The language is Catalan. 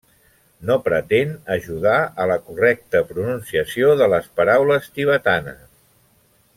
No pretén ajudar a la correcta pronunciació de les paraules tibetanes.